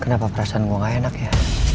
kenapa perasaan gue gak enak ya